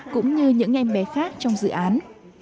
cũng như những em bé khác trong dự án